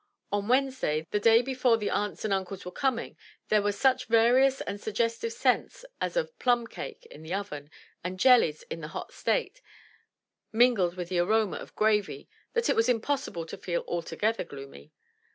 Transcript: On Wednesday, the day before the aunts and uncles were coming, there were such various and suggestive scents as of plum cake in the oven and jellies in the hot state, min gled with the aroma of gravy, that it was impossible to feel alto gether gloomy.